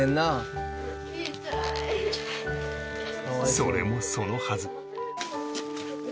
それもそのはず